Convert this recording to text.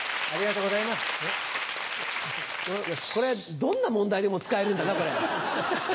どんな問題でも使えるんだなこれ。